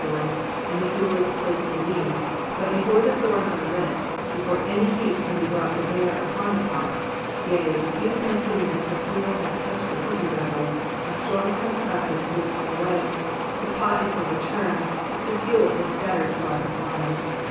joy, and the fuel is placed beneath, but before the thorns are lit, oefore any heat can be brought to bear upon the pot, yea, even as soon as the fuel has touched the cooking vessel, a storm comes and sweeps all away ; the pot is overturned, the fuel is scattered far and wide.